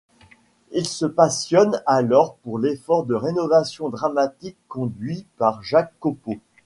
Il se passionne alors pour l'effort de rénovation dramatique conduit par Jacques Copeau.